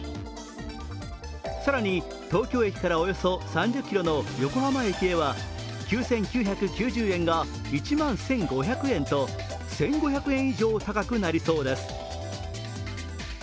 更に、東京駅からおよそ３０ｋｍの横浜駅へは９９９０円が１万１５００円と１５００円以上高くなりそうです。